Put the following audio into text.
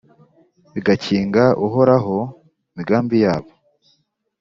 bagakinga Uhoraho imigambi yabo,